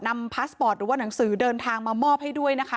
พาสปอร์ตหรือว่าหนังสือเดินทางมามอบให้ด้วยนะคะ